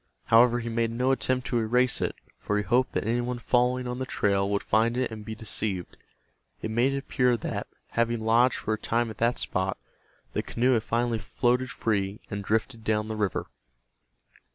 However, he made no attempt to erase it, for he hoped that any one following on the trail would find it and be deceived. It made it appear that, having lodged for a time at that spot, the canoe had finally floated free and drifted down the river.